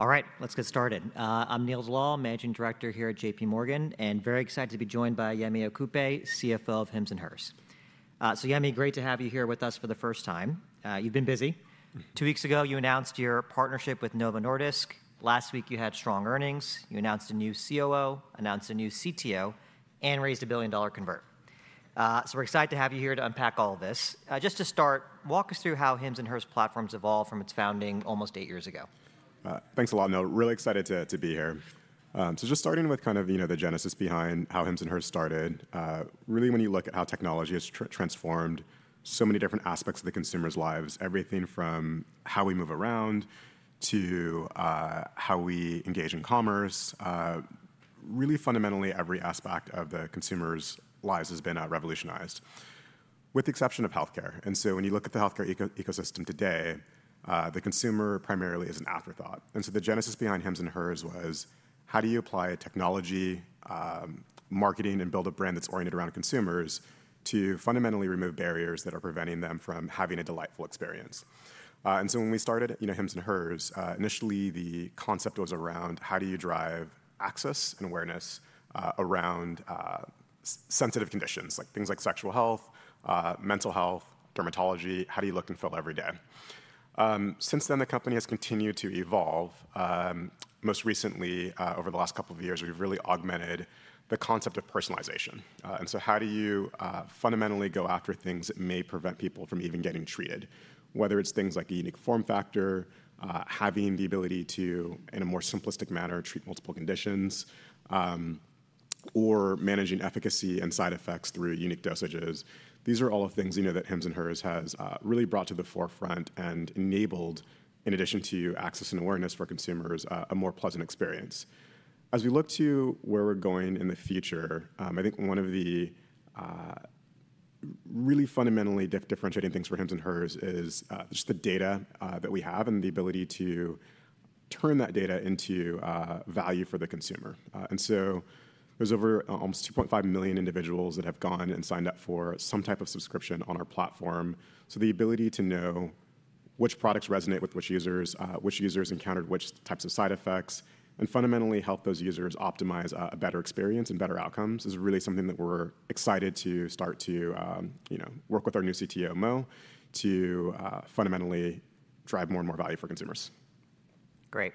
All right, let's get started. I'm Neil Dewall, Managing Director here at JPMorgan, and very excited to be joined by Yemi Okupe, CFO of Hims & Hers. Yemi, great to have you here with us for the first time. You've been busy. Two weeks ago, you announced your partnership with Novo Nordisk. Last week, you had strong earnings. You announced a new COO, announced a new CTO, and raised a $1 billion convert. We're excited to have you here to unpack all of this. Just to start, walk us through how Hims & Hers' platform has evolved from its founding almost eight years ago. Thanks a lot, Neil. Really excited to be here. Just starting with kind of the genesis behind how Hims & Hers started, really, when you look at how technology has transformed so many different aspects of the consumer's lives, everything from how we move around to how we engage in commerce, really, fundamentally, every aspect of the consumer's lives has been revolutionized, with the exception of healthcare. When you look at the healthcare ecosystem today, the consumer primarily is an afterthought. The genesis behind Hims & Hers was, how do you apply technology, marketing, and build a brand that's oriented around consumers to fundamentally remove barriers that are preventing them from having a delightful experience? When we started Hims & Hers, initially, the concept was around, how do you drive access and awareness around sensitive conditions, like things like sexual health, mental health, dermatology? How do you look and feel every day? Since then, the company has continued to evolve. Most recently, over the last couple of years, we've really augmented the concept of personalization. How do you fundamentally go after things that may prevent people from even getting treated, whether it's things like a unique form factor, having the ability to, in a more simplistic manner, treat multiple conditions, or managing efficacy and side effects through unique dosages? These are all things that Hims & Hers has really brought to the forefront and enabled, in addition to access and awareness for consumers, a more pleasant experience. As we look to where we're going in the future, I think one of the really fundamentally differentiating things for Hims & Hers is just the data that we have and the ability to turn that data into value for the consumer. There are over almost 2.5 million individuals that have gone and signed up for some type of subscription on our platform. The ability to know which products resonate with which users, which users encountered which types of side effects, and fundamentally help those users optimize a better experience and better outcomes is really something that we're excited to start to work with our new CTO, Mo, to fundamentally drive more and more value for consumers. Great.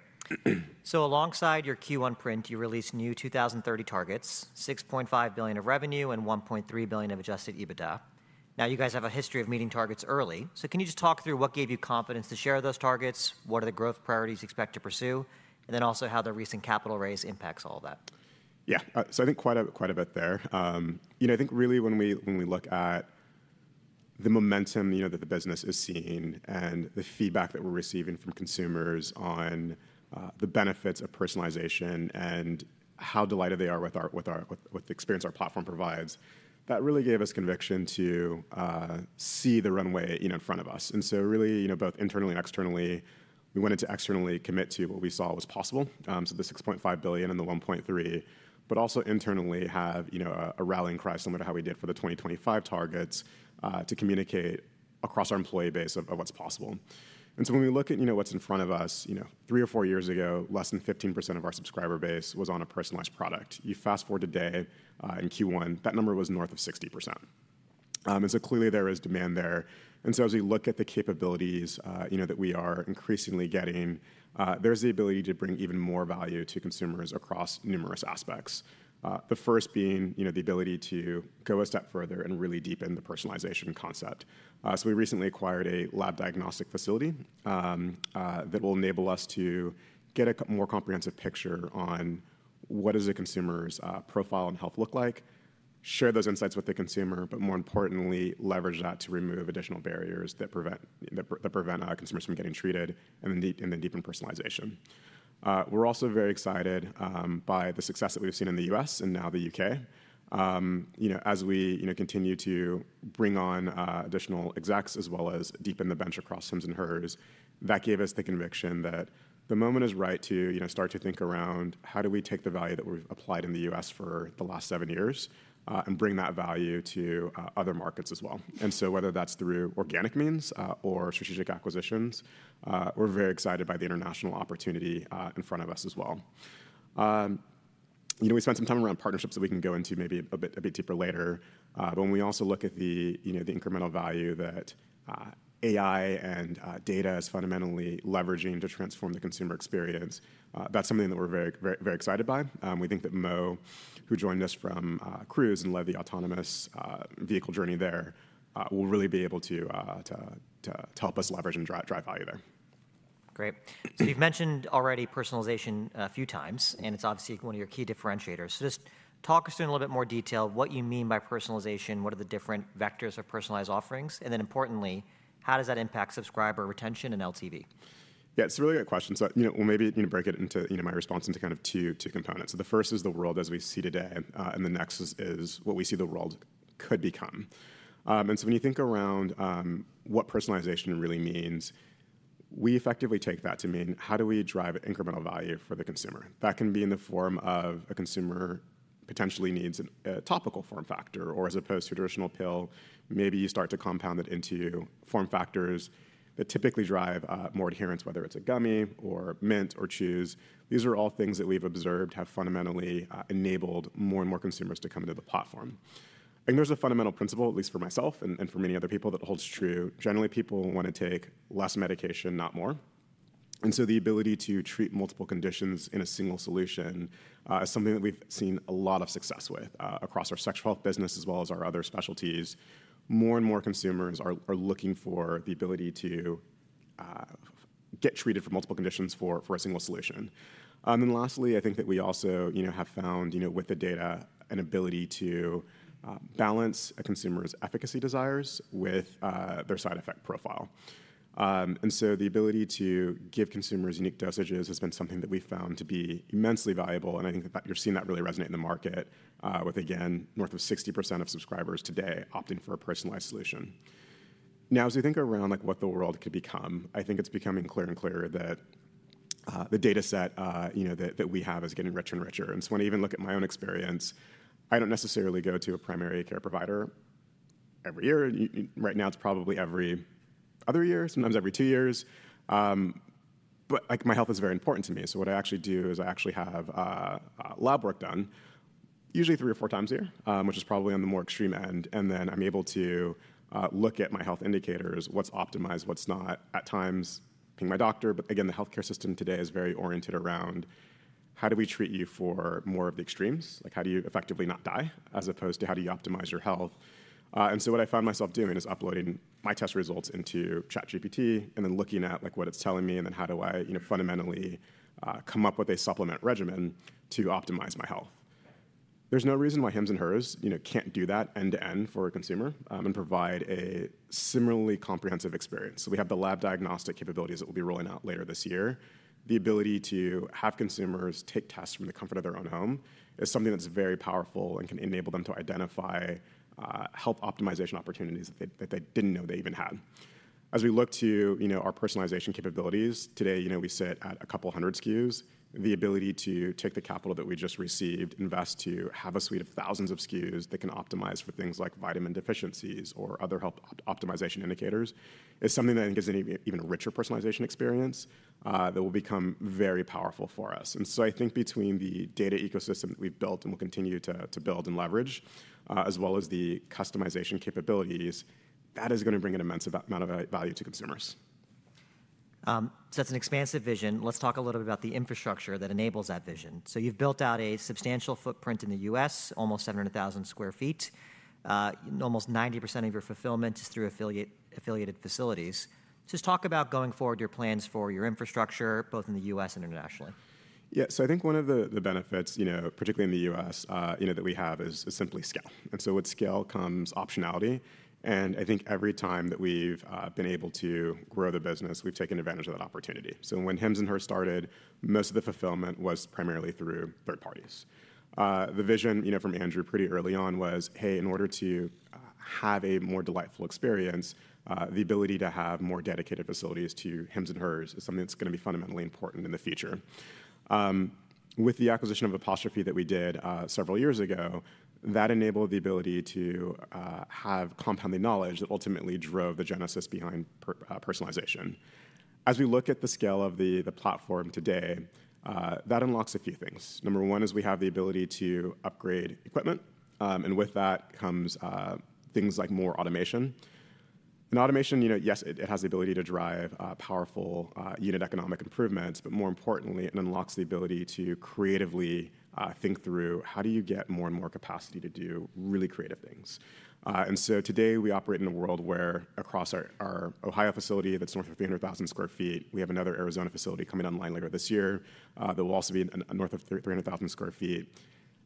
Alongside your Q1 print, you released new 2030 targets, $6.5 billion of revenue and $1.3 billion of adjusted EBITDA. You guys have a history of meeting targets early. Can you just talk through what gave you confidence to share those targets? What are the growth priorities you expect to pursue? Also, how does the recent capital raise impact all of that? Yeah, so I think quite a bit there. I think really, when we look at the momentum that the business is seeing and the feedback that we're receiving from consumers on the benefits of personalization and how delighted they are with the experience our platform provides, that really gave us conviction to see the runway in front of us. Really, both internally and externally, we wanted to externally commit to what we saw was possible, so the $6.5 billion and the $1.3 billion, but also internally have a rallying cry similar to how we did for the 2025 targets to communicate across our employee base of what's possible. When we look at what's in front of us, three or four years ago, less than 15% of our subscriber base was on a personalized product. You fast forward to today in Q1, that number was north of 60%. Clearly, there is demand there. As we look at the capabilities that we are increasingly getting, there is the ability to bring even more value to consumers across numerous aspects, the first being the ability to go a step further and really deepen the personalization concept. We recently acquired a lab diagnostic facility that will enable us to get a more comprehensive picture on what does a consumer's profile and health look like, share those insights with the consumer, but more importantly, leverage that to remove additional barriers that prevent consumers from getting treated and then deepen personalization. We are also very excited by the success that we have seen in the U.S. and now the U.K. As we continue to bring on additional execs as well as deepen the bench across Hims & Hers, that gave us the conviction that the moment is right to start to think around, how do we take the value that we've applied in the US for the last seven years and bring that value to other markets as well? Whether that's through organic means or strategic acquisitions, we're very excited by the international opportunity in front of us as well. We spent some time around partnerships that we can go into maybe a bit deeper later. When we also look at the incremental value that AI and data is fundamentally leveraging to transform the consumer experience, that's something that we're very excited by. We think that Mo, who joined us from Cruise and led the autonomous vehicle journey there, will really be able to help us leverage and drive value there. Great. You've mentioned already personalization a few times, and it's obviously one of your key differentiators. Just talk us in a little bit more detail what you mean by personalization, what are the different vectors of personalized offerings, and then importantly, how does that impact subscriber retention and LTV? Yeah, it's a really good question. Maybe break it into my response into kind of two components. The first is the world as we see today, and the next is what we see the world could become. When you think around what personalization really means, we effectively take that to mean how do we drive incremental value for the consumer? That can be in the form of a consumer potentially needs a topical form factor, or as opposed to a traditional pill, maybe you start to compound it into form factors that typically drive more adherence, whether it's a gummy or mint or chews. These are all things that we've observed have fundamentally enabled more and more consumers to come into the platform. I think there's a fundamental principle, at least for myself and for many other people, that holds true. Generally, people want to take less medication, not more. The ability to treat multiple conditions in a single solution is something that we've seen a lot of success with across our sexual health business as well as our other specialties. More and more consumers are looking for the ability to get treated for multiple conditions for a single solution. Lastly, I think that we also have found with the data an ability to balance a consumer's efficacy desires with their side effect profile. The ability to give consumers unique dosages has been something that we've found to be immensely valuable. I think that you're seeing that really resonate in the market with, again, north of 60% of subscribers today opting for a personalized solution. Now, as we think around what the world could become, I think it's becoming clearer and clearer that the data set that we have is getting richer and richer. When I even look at my own experience, I don't necessarily go to a primary care provider every year. Right now, it's probably every other year, sometimes every two years. My health is very important to me. What I actually do is I actually have lab work done, usually three or four times a year, which is probably on the more extreme end. Then I'm able to look at my health indicators, what's optimized, what's not. At times, I'm seeing my doctor. The healthcare system today is very oriented around, how do we treat you for more of the extremes? How do you effectively not die as opposed to how do you optimize your health? What I find myself doing is uploading my test results into ChatGPT and then looking at what it's telling me, and then how do I fundamentally come up with a supplement regimen to optimize my health? There's no reason why Hims & Hers can't do that end-to-end for a consumer and provide a similarly comprehensive experience. We have the lab diagnostic capabilities that we'll be rolling out later this year. The ability to have consumers take tests from the comfort of their own home is something that's very powerful and can enable them to identify health optimization opportunities that they didn't know they even had. As we look to our personalization capabilities, today, we sit at a couple hundred SKUs. The ability to take the capital that we just received, invest to have a suite of thousands of SKUs that can optimize for things like vitamin deficiencies or other health optimization indicators is something that I think is an even richer personalization experience that will become very powerful for us. I think between the data ecosystem that we've built and will continue to build and leverage, as well as the customization capabilities, that is going to bring an immense amount of value to consumers. That's an expansive vision. Let's talk a little bit about the infrastructure that enables that vision. You've built out a substantial footprint in the US, almost 700,000 sq ft. Almost 90% of your fulfillment is through affiliated facilities. Just talk about going forward, your plans for your infrastructure, both in the US and internationally. Yeah, I think one of the benefits, particularly in the US, that we have is simply scale. With scale comes optionality. I think every time that we've been able to grow the business, we've taken advantage of that opportunity. When Hims & Hers started, most of the fulfillment was primarily through third parties. The vision from Andrew pretty early on was, hey, in order to have a more delightful experience, the ability to have more dedicated facilities to Hims & Hers is something that's going to be fundamentally important in the future. With the acquisition of Apostrophe that we did several years ago, that enabled the ability to have compounding knowledge that ultimately drove the genesis behind personalization. As we look at the scale of the platform today, that unlocks a few things. Number one is we have the ability to upgrade equipment. With that comes things like more automation. Automation, yes, it has the ability to drive powerful unit economic improvements, but more importantly, it unlocks the ability to creatively think through, how do you get more and more capacity to do really creative things? Today, we operate in a world where across our Ohio facility that's north of 300,000 sq ft, we have another Arizona facility coming online later this year that will also be north of 300,000 sq ft.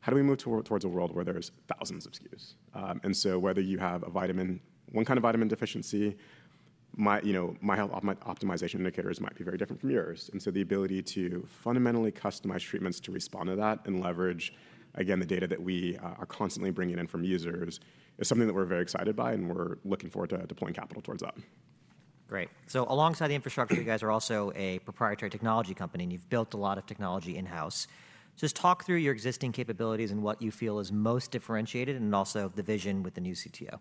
How do we move towards a world where there's thousands of SKUs? Whether you have one kind of vitamin deficiency, my optimization indicators might be very different from yours. The ability to fundamentally customize treatments to respond to that and leverage, again, the data that we are constantly bringing in from users is something that we're very excited by, and we're looking forward to deploying capital towards that. Great. Alongside the infrastructure, you guys are also a proprietary technology company, and you've built a lot of technology in-house. Just talk through your existing capabilities and what you feel is most differentiated and also the vision with the new CTO. Yeah,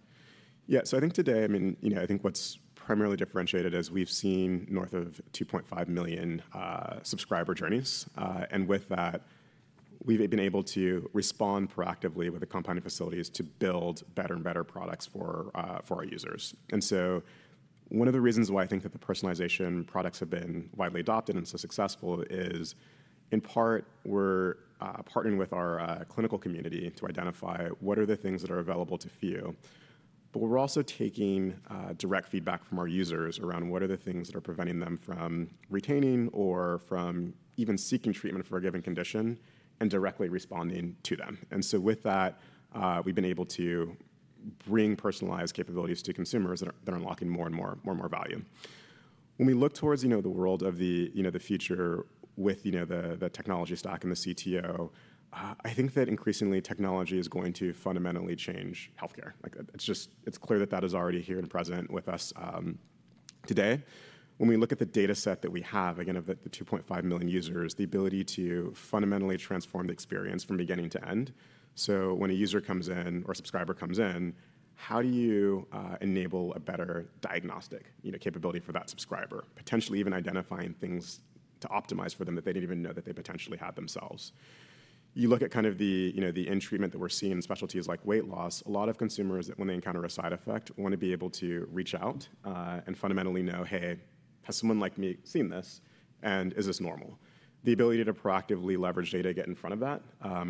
so I think today, I mean, I think what's primarily differentiated is we've seen north of 2.5 million subscriber journeys. With that, we've been able to respond proactively with the compounding facilities to build better and better products for our users. One of the reasons why I think that the personalization products have been widely adopted and so successful is, in part, we're partnering with our clinical community to identify what are the things that are available to few. We're also taking direct feedback from our users around what are the things that are preventing them from retaining or from even seeking treatment for a given condition and directly responding to them. With that, we've been able to bring personalized capabilities to consumers that are unlocking more and more value. When we look towards the world of the future with the technology stack and the CTO, I think that increasingly technology is going to fundamentally change healthcare. It's clear that that is already here and present with us today. When we look at the data set that we have, again, of the 2.5 million users, the ability to fundamentally transform the experience from beginning to end. When a user comes in or a subscriber comes in, how do you enable a better diagnostic capability for that subscriber, potentially even identifying things to optimize for them that they didn't even know that they potentially had themselves? You look at kind of the in-treatment that we're seeing in specialties like weight loss. A lot of consumers, when they encounter a side effect, want to be able to reach out and fundamentally know, hey, has someone like me seen this? Is this normal? The ability to proactively leverage data to get in front of that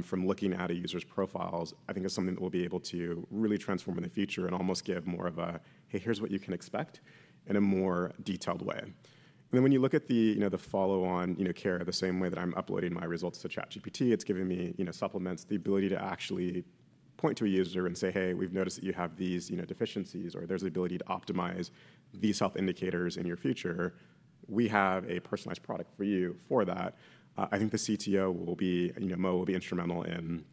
from looking at a user's profiles, I think is something that we'll be able to really transform in the future and almost give more of a, hey, here's what you can expect in a more detailed way. When you look at the follow-on care the same way that I'm uploading my results to ChatGPT, it's giving me supplements, the ability to actually point to a user and say, hey, we've noticed that you have these deficiencies, or there's the ability to optimize these health indicators in your future. We have a personalized product for you for that. I think the CTO will be, Mo will be instrumental in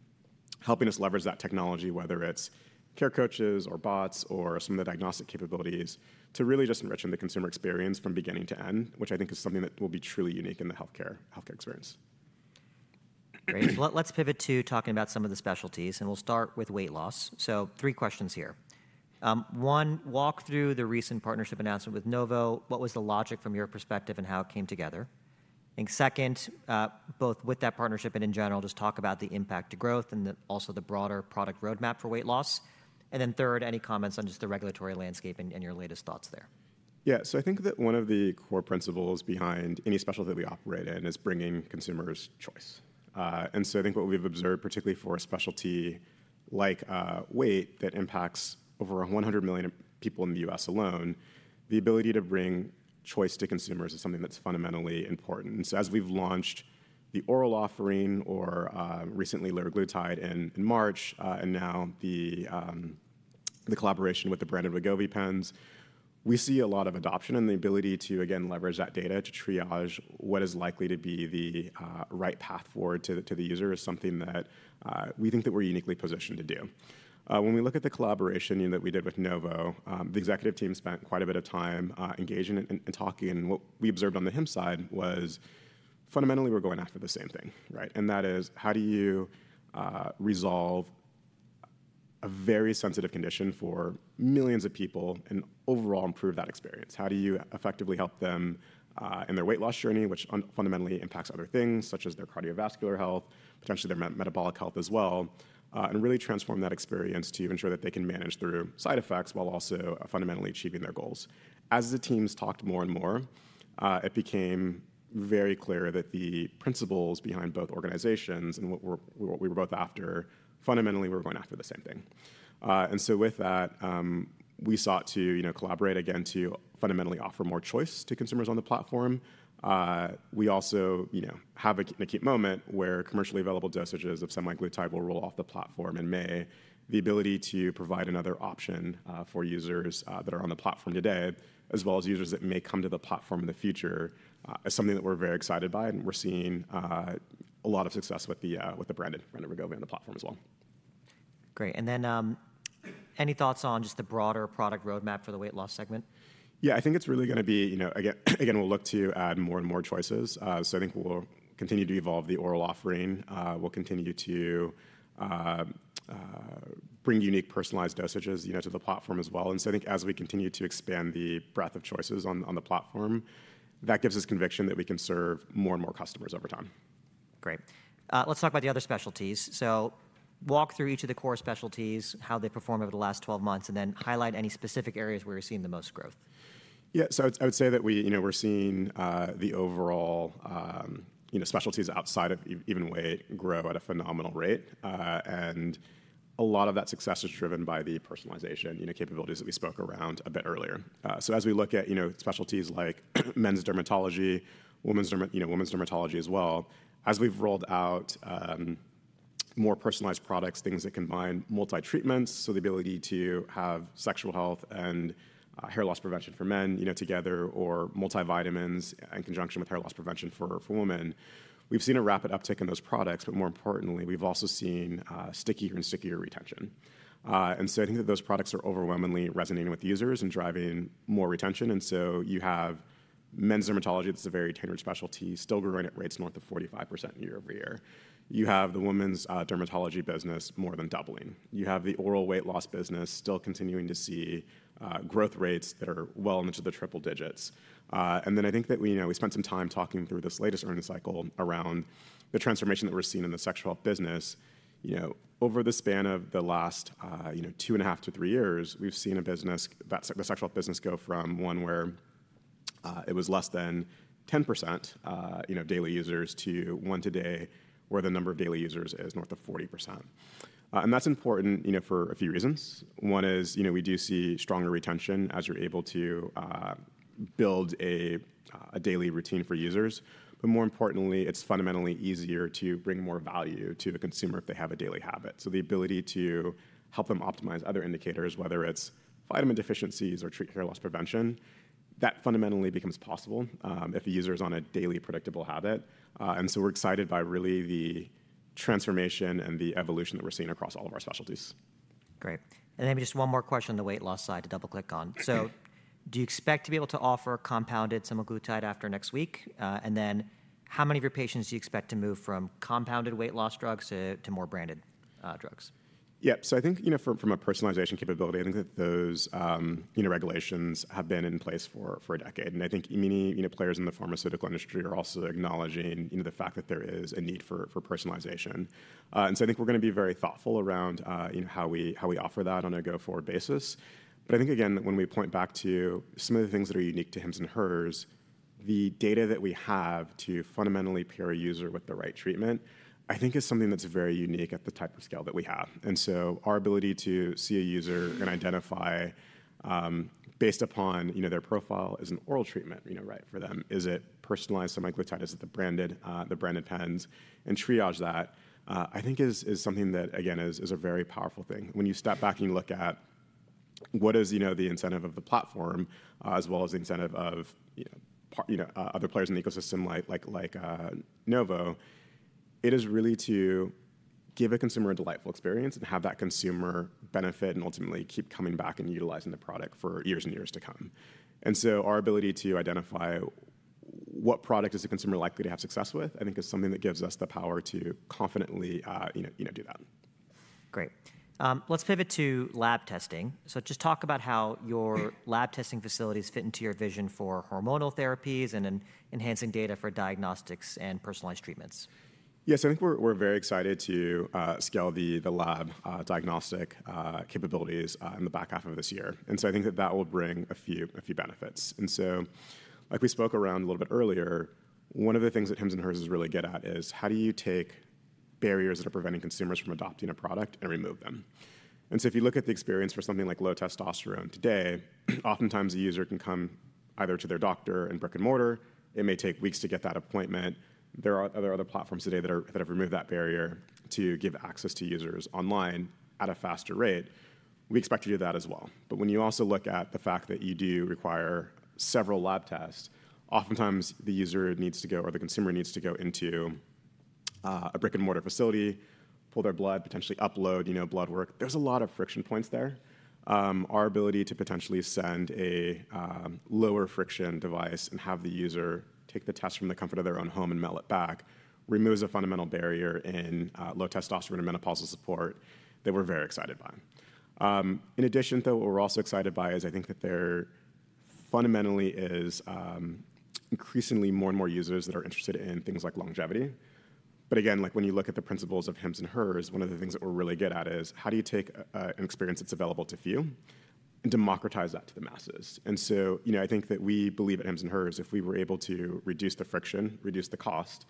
helping us leverage that technology, whether it's care coaches or bots or some of the diagnostic capabilities to really just enrich the consumer experience from beginning to end, which I think is something that will be truly unique in the healthcare experience. Great. Let's pivot to talking about some of the specialties, and we'll start with weight loss. Three questions here. One, walk through the recent partnership announcement with Novo. What was the logic from your perspective and how it came together? Second, both with that partnership and in general, just talk about the impact to growth and also the broader product roadmap for weight loss. Third, any comments on just the regulatory landscape and your latest thoughts there? Yeah, I think that one of the core principles behind any specialty that we operate in is bringing consumers choice. I think what we've observed, particularly for a specialty like weight that impacts over 100 million people in the US alone, is the ability to bring choice to consumers is something that's fundamentally important. As we've launched the oral offering or recently liraglutide in March and now the collaboration with the branded Wegovy pens, we see a lot of adoption and the ability to, again, leverage that data to triage what is likely to be the right path forward to the user is something that we think that we're uniquely positioned to do. When we look at the collaboration that we did with Novo, the executive team spent quite a bit of time engaging and talking. What we observed on the Hims side was fundamentally, we're going after the same thing, right? That is, how do you resolve a very sensitive condition for millions of people and overall improve that experience? How do you effectively help them in their weight loss journey, which fundamentally impacts other things such as their cardiovascular health, potentially their metabolic health as well, and really transform that experience to even ensure that they can manage through side effects while also fundamentally achieving their goals? As the teams talked more and more, it became very clear that the principles behind both organizations and what we were both after, fundamentally, we're going after the same thing. With that, we sought to collaborate again to fundamentally offer more choice to consumers on the platform. We also have an acute moment where commercially available dosages of semaglutide will roll off the platform. The ability to provide another option for users that are on the platform today, as well as users that may come to the platform in the future, is something that we're very excited by. We're seeing a lot of success with the branded Wegovy on the platform as well. Great. Any thoughts on just the broader product roadmap for the weight loss segment? Yeah, I think it's really going to be, again, we'll look to add more and more choices. I think we'll continue to evolve the oral offering. We'll continue to bring unique personalized dosages to the platform as well. I think as we continue to expand the breadth of choices on the platform, that gives us conviction that we can serve more and more customers over time. Great. Let's talk about the other specialties. Walk through each of the core specialties, how they perform over the last 12 months, and then highlight any specific areas where you're seeing the most growth. Yeah, I would say that we're seeing the overall specialties outside of even weight grow at a phenomenal rate. A lot of that success is driven by the personalization capabilities that we spoke around a bit earlier. As we look at specialties like men's dermatology, women's dermatology as well, as we've rolled out more personalized products, things that combine multi-treatments, the ability to have sexual health and hair loss prevention for men together, or multivitamins in conjunction with hair loss prevention for women, we've seen a rapid uptick in those products. More importantly, we've also seen stickier and stickier retention. I think that those products are overwhelmingly resonating with users and driving more retention. You have men's dermatology, that's a very tailored specialty, still growing at rates north of 45% year over year. You have the women's dermatology business more than doubling. You have the oral weight loss business still continuing to see growth rates that are well into the triple digits. I think that we spent some time talking through this latest earnings cycle around the transformation that we're seeing in the sexual health business. Over the span of the last two and a half to three years, we've seen the sexual health business go from one where it was less than 10% daily users to one today where the number of daily users is north of 40%. That's important for a few reasons. One is we do see stronger retention as you're able to build a daily routine for users. More importantly, it's fundamentally easier to bring more value to the consumer if they have a daily habit. The ability to help them optimize other indicators, whether it's vitamin deficiencies or treat hair loss prevention, that fundamentally becomes possible if the user is on a daily predictable habit. We're excited by really the transformation and the evolution that we're seeing across all of our specialties. Great. Maybe just one more question on the weight loss side to double-click on. Do you expect to be able to offer compounded semaglutide after next week? How many of your patients do you expect to move from compounded weight loss drugs to more branded drugs? Yeah, so I think from a personalization capability, I think that those regulations have been in place for a decade. I think many players in the pharmaceutical industry are also acknowledging the fact that there is a need for personalization. I think we're going to be very thoughtful around how we offer that on a go-forward basis. I think, again, when we point back to some of the things that are unique to Hims & Hers, the data that we have to fundamentally pair a user with the right treatment, I think is something that's very unique at the type of scale that we have. Our ability to see a user and identify based upon their profile, is an oral treatment right for them? Is it personalized semaglutide? Is it the branded pens? Triage that, I think, is something that, again, is a very powerful thing. When you step back and you look at what is the incentive of the platform, as well as the incentive of other players in the ecosystem like Novo, it is really to give a consumer a delightful experience and have that consumer benefit and ultimately keep coming back and utilizing the product for years and years to come. Our ability to identify what product is the consumer likely to have success with, I think, is something that gives us the power to confidently do that. Great. Let's pivot to lab testing. Just talk about how your lab testing facilities fit into your vision for hormonal therapies and enhancing data for diagnostics and personalized treatments. Yes, I think we're very excited to scale the lab diagnostic capabilities in the back half of this year. I think that that will bring a few benefits. Like we spoke around a little bit earlier, one of the things that Hims & Hers is really good at is how do you take barriers that are preventing consumers from adopting a product and remove them? If you look at the experience for something like low testosterone today, oftentimes a user can come either to their doctor in brick and mortar. It may take weeks to get that appointment. There are other platforms today that have removed that barrier to give access to users online at a faster rate. We expect to do that as well. When you also look at the fact that you do require several lab tests, oftentimes the user needs to go or the consumer needs to go into a brick and mortar facility, pull their blood, potentially upload blood work. There's a lot of friction points there. Our ability to potentially send a lower friction device and have the user take the test from the comfort of their own home and mail it back removes a fundamental barrier in low testosterone and menopausal support that we're very excited by. In addition, though, what we're also excited by is I think that there fundamentally is increasingly more and more users that are interested in things like longevity. When you look at the principles of Hims & Hers, one of the things that we're really good at is how do you take an experience that's available to few and democratize that to the masses? I think that we believe at Hims & Hers, if we were able to reduce the friction, reduce the cost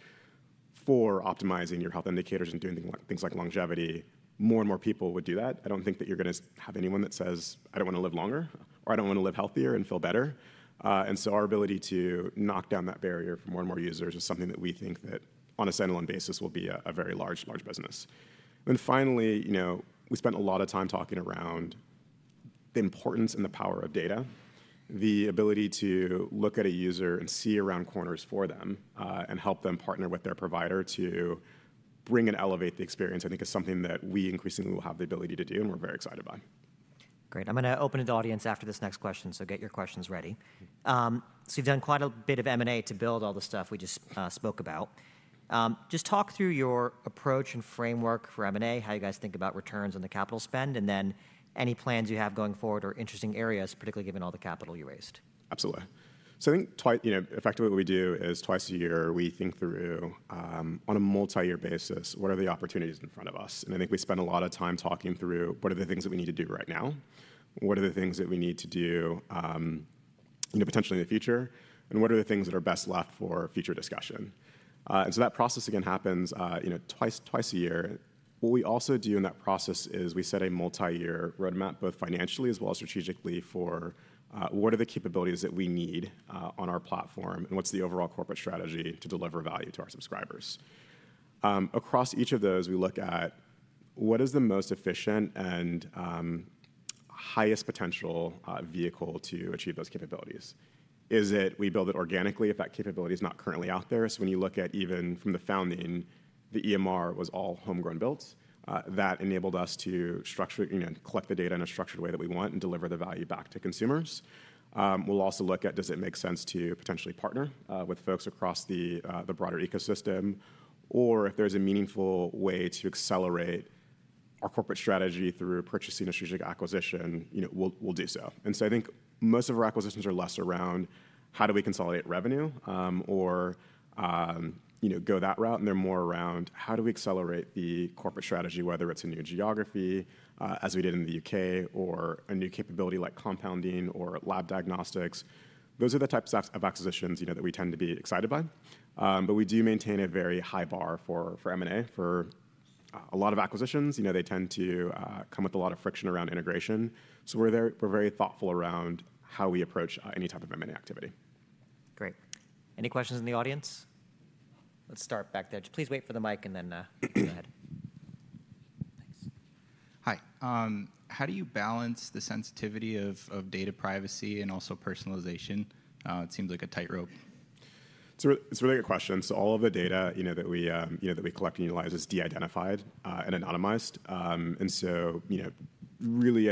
for optimizing your health indicators and doing things like longevity, more and more people would do that. I don't think that you're going to have anyone that says, "I don't want to live longer," or, "I don't want to live healthier and feel better." Our ability to knock down that barrier for more and more users is something that we think that on a standalone basis will be a very large business. Finally, we spent a lot of time talking around the importance and the power of data, the ability to look at a user and see around corners for them and help them partner with their provider to bring and elevate the experience, I think, is something that we increasingly will have the ability to do, and we're very excited by. Great. I'm going to open the audience after this next question, so get your questions ready. You have done quite a bit of M&A to build all the stuff we just spoke about. Just talk through your approach and framework for M&A, how you guys think about returns on the capital spend, and then any plans you have going forward or interesting areas, particularly given all the capital you raised. Absolutely. I think effectively what we do is twice a year, we think through on a multi-year basis, what are the opportunities in front of us? I think we spend a lot of time talking through what are the things that we need to do right now? What are the things that we need to do potentially in the future? What are the things that are best left for future discussion? That process, again, happens twice a year. What we also do in that process is we set a multi-year roadmap, both financially as well as strategically, for what are the capabilities that we need on our platform and what's the overall corporate strategy to deliver value to our subscribers. Across each of those, we look at what is the most efficient and highest potential vehicle to achieve those capabilities. Is it we build it organically if that capability is not currently out there? When you look at even from the founding, the EMR was all homegrown builds that enabled us to collect the data in a structured way that we want and deliver the value back to consumers. We'll also look at does it make sense to potentially partner with folks across the broader ecosystem? If there's a meaningful way to accelerate our corporate strategy through purchasing or strategic acquisition, we'll do so. I think most of our acquisitions are less around how do we consolidate revenue or go that route? They're more around how do we accelerate the corporate strategy, whether it's a new geography as we did in the U.K. or a new capability like compounding or lab diagnostics. Those are the types of acquisitions that we tend to be excited by. We do maintain a very high bar for M&A. For a lot of acquisitions, they tend to come with a lot of friction around integration. We are very thoughtful around how we approach any type of M&A activity. Great. Any questions in the audience? Let's start back there. Please wait for the mic, and then you can go ahead. Thanks. Hi. How do you balance the sensitivity of data privacy and also personalization? It seems like a tightrope. It's a really good question. All of the data that we collect and utilize is de-identified and anonymized. I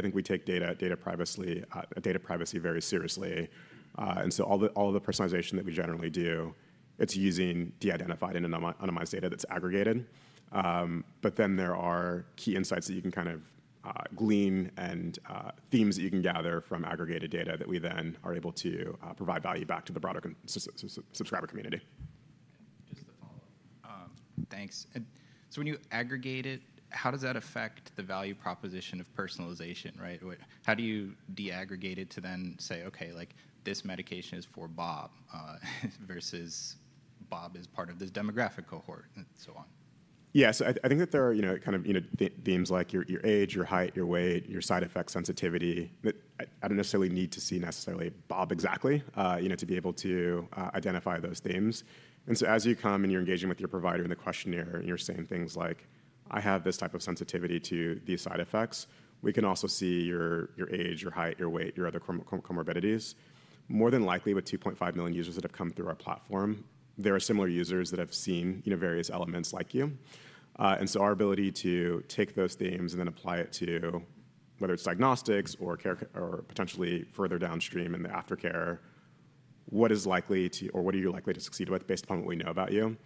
think we take data privacy very seriously. All of the personalization that we generally do, it's using de-identified and anonymized data that's aggregated. There are key insights that you can kind of glean and themes that you can gather from aggregated data that we then are able to provide value back to the broader subscriber community. Just to follow up. Thanks. When you aggregate it, how does that affect the value proposition of personalization? How do you de-aggregate it to then say, "Okay, this medication is for Bob versus Bob is part of this demographic cohort," and so on? Yeah, I think that there are kind of themes like your age, your height, your weight, your side effect sensitivity. I don't necessarily need to see necessarily Bob exactly to be able to identify those themes. As you come and you're engaging with your provider in the questionnaire and you're saying things like, "I have this type of sensitivity to these side effects," we can also see your age, your height, your weight, your other comorbidities. More than likely, with 2.5 million users that have come through our platform, there are similar users that have seen various elements like you. Our ability to take those themes and then apply it to whether it's diagnostics or potentially further downstream in the aftercare, what is likely to or what are you likely to succeed with based upon what we know about you?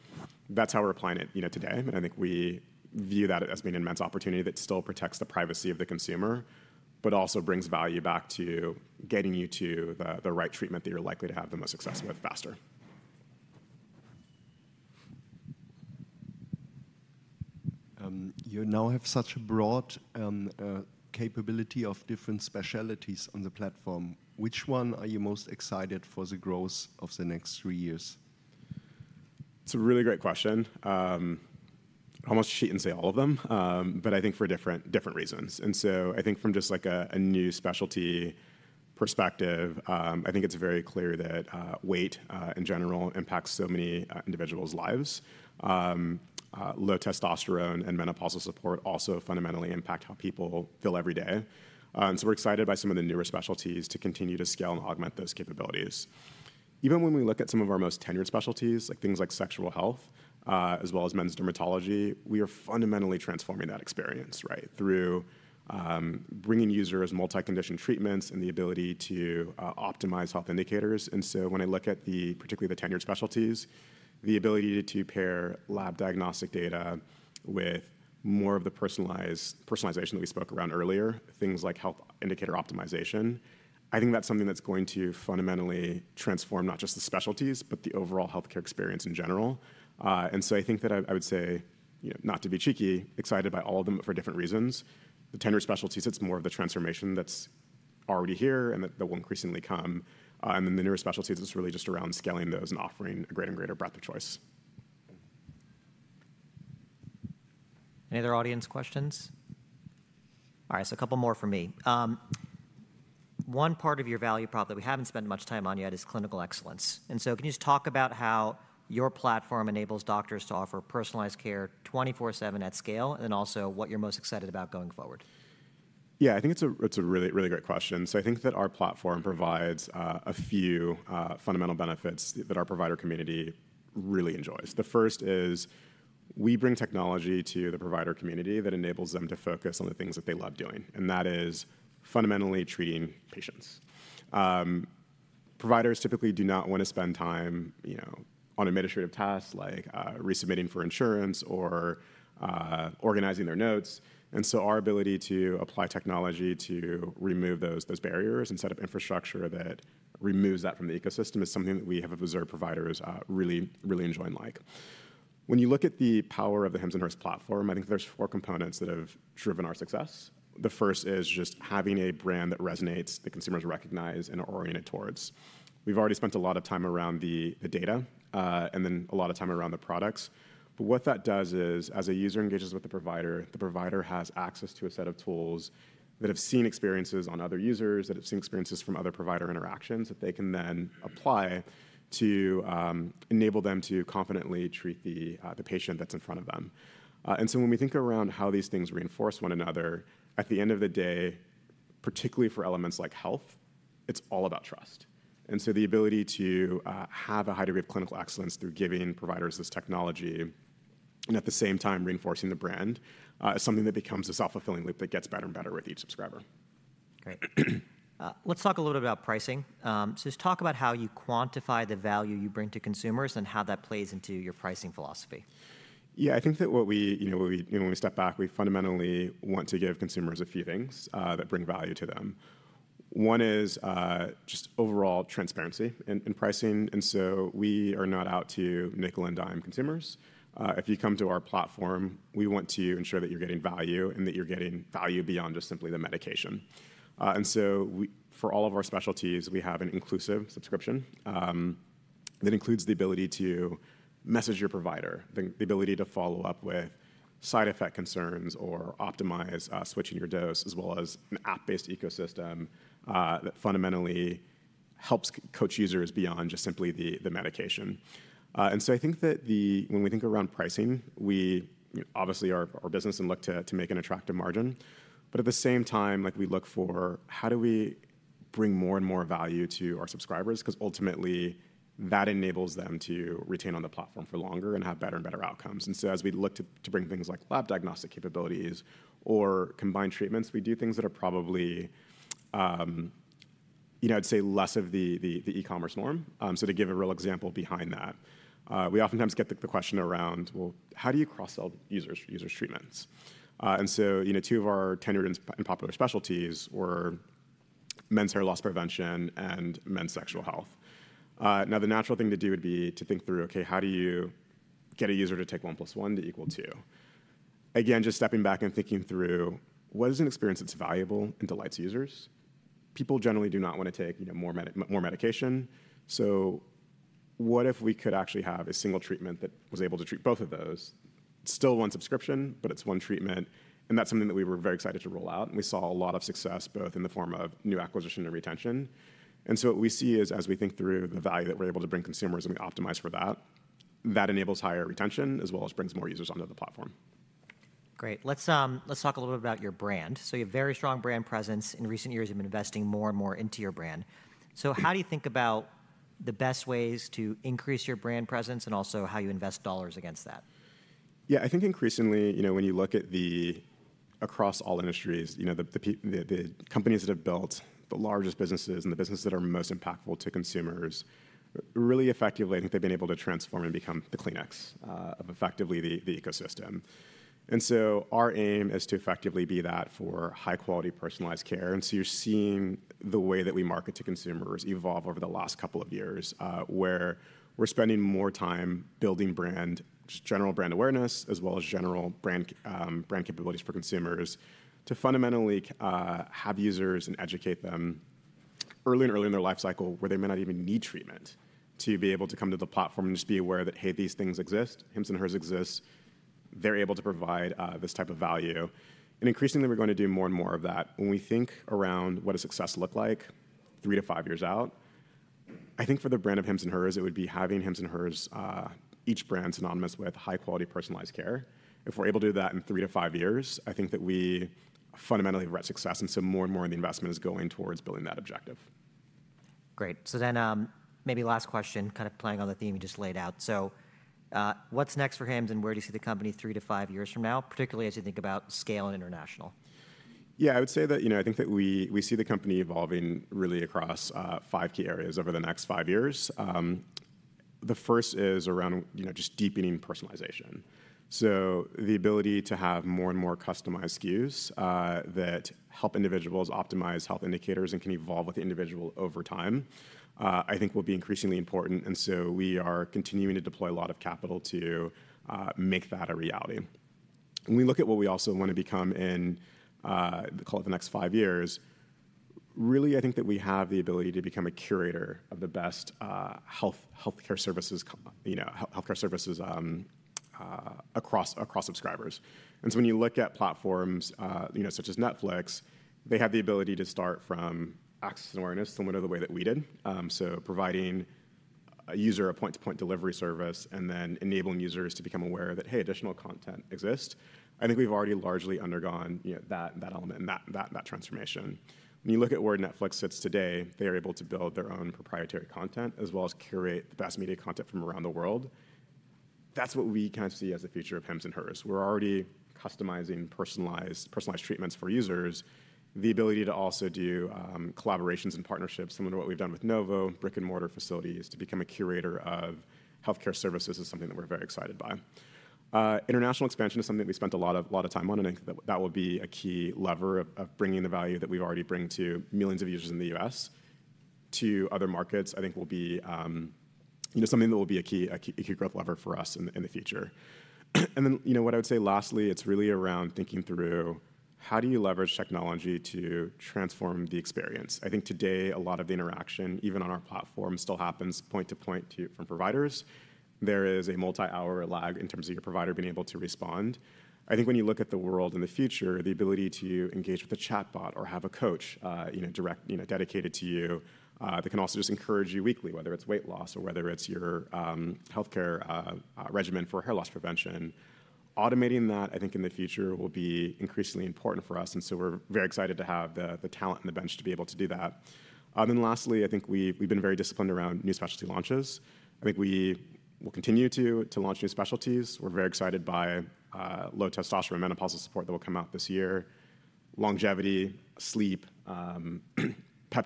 That's how we're applying it today. I think we view that as being an immense opportunity that still protects the privacy of the consumer, but also brings value back to getting you to the right treatment that you're likely to have the most success with faster. You now have such a broad capability of different specialties on the platform. Which one are you most excited for the growth of the next three years? It's a really great question. I'm almost ashamed to say all of them, but I think for different reasons. I think from just like a new specialty perspective, I think it's very clear that weight, in general, impacts so many individuals' lives. Low testosterone and menopausal support also fundamentally impact how people feel every day. We're excited by some of the newer specialties to continue to scale and augment those capabilities. Even when we look at some of our most tenured specialties, like things like sexual health, as well as men's dermatology, we are fundamentally transforming that experience through bringing users multi-condition treatments and the ability to optimize health indicators. When I look at particularly the tenured specialties, the ability to pair lab diagnostic data with more of the personalization that we spoke around earlier, things like health indicator optimization, I think that's something that's going to fundamentally transform not just the specialties, but the overall healthcare experience in general. I think that I would say, not to be cheeky, excited by all of them for different reasons. The tenured specialties, it's more of the transformation that's already here and that will increasingly come. The newer specialties is really just around scaling those and offering a greater and greater breadth of choice. Any other audience questions? All right, so a couple more from me. One part of your value prop that we haven't spent much time on yet is clinical excellence. Can you just talk about how your platform enables doctors to offer personalized care 24/7 at scale, and then also what you're most excited about going forward? Yeah, I think it's a really, really great question. I think that our platform provides a few fundamental benefits that our provider community really enjoys. The first is we bring technology to the provider community that enables them to focus on the things that they love doing. That is fundamentally treating patients. Providers typically do not want to spend time on administrative tasks like resubmitting for insurance or organizing their notes. Our ability to apply technology to remove those barriers and set up infrastructure that removes that from the ecosystem is something that we have observed providers really, really enjoy and like. When you look at the power of the Hims & Hers platform, I think there's four components that have driven our success. The first is just having a brand that resonates, that consumers recognize and are oriented towards. We've already spent a lot of time around the data and then a lot of time around the products. What that does is, as a user engages with the provider, the provider has access to a set of tools that have seen experiences on other users, that have seen experiences from other provider interactions that they can then apply to enable them to confidently treat the patient that's in front of them. When we think around how these things reinforce one another, at the end of the day, particularly for elements like health, it's all about trust. The ability to have a high degree of clinical excellence through giving providers this technology and at the same time reinforcing the brand is something that becomes a self-fulfilling loop that gets better and better with each subscriber. Great. Let's talk a little bit about pricing. Just talk about how you quantify the value you bring to consumers and how that plays into your pricing philosophy. Yeah, I think that when we step back, we fundamentally want to give consumers a few things that bring value to them. One is just overall transparency in pricing. We are not out to nickel and dime consumers. If you come to our platform, we want to ensure that you're getting value and that you're getting value beyond just simply the medication. For all of our specialties, we have an inclusive subscription that includes the ability to message your provider, the ability to follow up with side effect concerns or optimize switching your dose, as well as an app-based ecosystem that fundamentally helps coach users beyond just simply the medication. I think that when we think around pricing, we obviously are our business and look to make an attractive margin. At the same time, we look for how do we bring more and more value to our subscribers? Because ultimately, that enables them to retain on the platform for longer and have better and better outcomes. As we look to bring things like lab diagnostic capabilities or combined treatments, we do things that are probably, I'd say, less of the e-commerce norm. To give a real example behind that, we oftentimes get the question around, well, how do you cross-sell users' treatments? Two of our tenured and popular specialties were men's hair loss prevention and men's sexual health. Now, the natural thing to do would be to think through, okay, how do you get a user to take one plus one to equal two? Again, just stepping back and thinking through, what is an experience that's valuable and delights users? People generally do not want to take more medication. What if we could actually have a single treatment that was able to treat both of those? It's still one subscription, but it's one treatment. That is something that we were very excited to roll out. We saw a lot of success, both in the form of new acquisition and retention. What we see is, as we think through the value that we're able to bring consumers and we optimize for that, that enables higher retention as well as brings more users onto the platform. Great. Let's talk a little bit about your brand. You have very strong brand presence. In recent years, you've been investing more and more into your brand. How do you think about the best ways to increase your brand presence and also how you invest dollars against that? Yeah, I think increasingly, when you look at the across all industries, the companies that have built the largest businesses and the businesses that are most impactful to consumers, really effectively, I think they've been able to transform and become the Kleenex of effectively the ecosystem. Our aim is to effectively be that for high-quality personalized care. You're seeing the way that we market to consumers evolve over the last couple of years, where we're spending more time building brand, general brand awareness, as well as general brand capabilities for consumers to fundamentally have users and educate them early and early in their life cycle where they may not even need treatment to be able to come to the platform and just be aware that, hey, these things exist. Hims & Hers exist. They're able to provide this type of value. Increasingly, we're going to do more and more of that. When we think around what does success look like three to five years out, I think for the brand of Hims & Hers, it would be having Hims & Hers, each brand synonymous with high-quality personalized care. If we're able to do that in three to five years, I think that we fundamentally have reached success. More and more of the investment is going towards building that objective. Great. So then maybe last question, kind of playing on the theme you just laid out. What's next for Hims & Hers and where do you see the company three to five years from now, particularly as you think about scale and international? Yeah, I would say that I think that we see the company evolving really across five key areas over the next five years. The first is around just deepening personalization. The ability to have more and more customized SKUs that help individuals optimize health indicators and can evolve with the individual over time, I think will be increasingly important. We are continuing to deploy a lot of capital to make that a reality. When we look at what we also want to become in, call it the next five years, really, I think that we have the ability to become a curator of the best healthcare services across subscribers. When you look at platforms such as Netflix, they have the ability to start from access and awareness similar to the way that we did. Providing a user a point-to-point delivery service and then enabling users to become aware that, hey, additional content exists. I think we've already largely undergone that element and that transformation. When you look at where Netflix sits today, they're able to build their own proprietary content as well as curate the best media content from around the world. That's what we kind of see as the future of Hims & Hers. We're already customizing personalized treatments for users. The ability to also do collaborations and partnerships similar to what we've done with Novo Nordisk brick and mortar facilities to become a curator of healthcare services is something that we're very excited by. International expansion is something that we spent a lot of time on, and I think that will be a key lever of bringing the value that we've already bringing to millions of users in the US to other markets. I think that will be something that will be a key growth lever for us in the future. What I would say lastly, it's really around thinking through how do you leverage technology to transform the experience. I think today, a lot of the interaction, even on our platform, still happens point-to-point from providers. There is a multi-hour lag in terms of your provider being able to respond. I think when you look at the world in the future, the ability to engage with a chatbot or have a coach dedicated to you that can also just encourage you weekly, whether it's weight loss or whether it's your healthcare regimen for hair loss prevention. Automating that, I think in the future will be increasingly important for us. We are very excited to have the talent and the bench to be able to do that. Lastly, I think we've been very disciplined around new specialty launches. I think we will continue to launch new specialties. We're very excited by low testosterone and menopausal support that will come out this year. Longevity, sleep,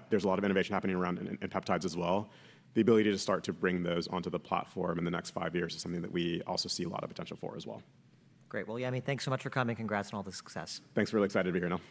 there's a lot of innovation happening around in peptides as well. The ability to start to bring those onto the platform in the next five years is something that we also see a lot of potential for as well. Great. Yemi, thanks so much for coming. Congrats on all the success. Thanks. Really excited to be here.